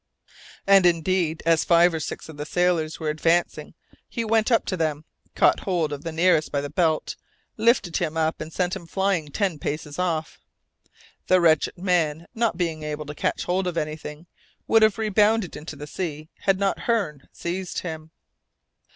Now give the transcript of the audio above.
And indeed, as five or six of the sailors were advancing, he went up to them, caught hold of the nearest by the belt, lifted him up, and sent him flying ten paces off. The wretched man not being able to catch hold of anything, would have rebounded into the sea had not Hearne seized him.